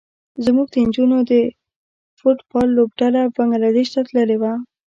زموږ د نجونو د فټ بال لوبډله بنګلادیش ته تللې وه.